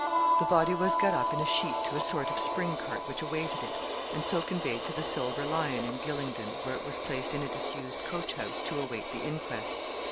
The body was got up in a sheet to a sort of spring cart which awaited it, and so conveyed to the 'Silver Lion,' in Gylingden, where it was placed in a disused coach house to await the inquest.